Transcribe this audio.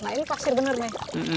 nah ini faksi bener nih